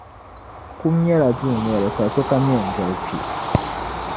Kum nyɛla dunoli ka sokam yɛn doli kpe.